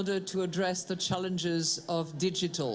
untuk mengembangkan kekuatan digital